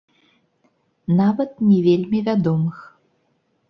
Нават не вельмі вядомых.